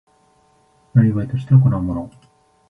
業として行うもの